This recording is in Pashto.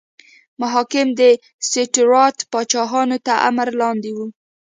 محاکم د سټیورات پاچاهانو تر امر لاندې وو.